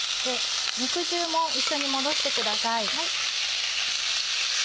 肉汁も一緒に戻してください。